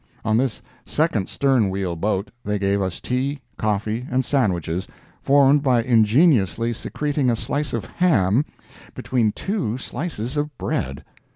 On this second stern wheel boat they gave us tea, coffee, and sandwiches formed by ingeniously secreting a slice of ham between two slices of bread.